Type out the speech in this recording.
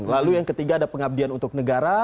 lalu yang ketiga ada pengabdian untuk negara